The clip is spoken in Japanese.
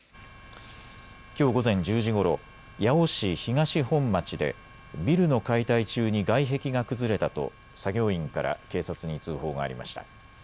きょう午前１０時ごろ、八尾市東本町でビルの解体中に外壁が崩れたと作業員から警察に通報がありました。